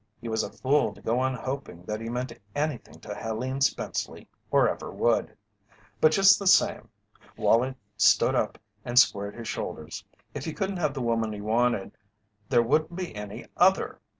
He was a fool to go on hoping that he meant anything to Helene Spenceley or ever would; but, just the same Wallie stood up and squared his shoulders if he couldn't have the woman he wanted there wouldn't be any other!